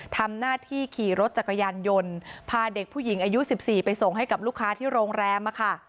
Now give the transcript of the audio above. ทำหน้าที่ขี่รถจักรยานยนต์พาเด็กผู้หญิงอายุ๑๔ไปส่งให้กับลูกค้าที่โรงแรม